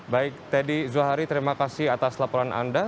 baik teddy zuhari terima kasih atas laporan anda